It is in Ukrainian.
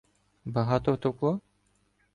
— Багато втовкло?!